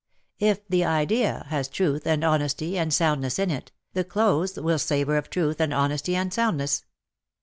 If the Idea has truth and honesty and sound ness in it, the clothes will savour of truth and honesty and soundness.